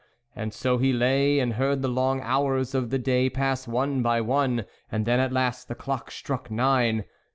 And so he lay and heard the long hours of the day pass one by one ; and then at last the clock struck nine.